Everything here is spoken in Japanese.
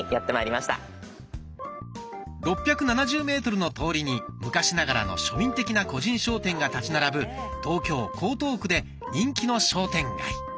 ６７０メートルの通りに昔ながらの庶民的な個人商店が立ち並ぶ東京・江東区で人気の商店街。